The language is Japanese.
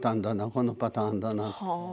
このパターンだな。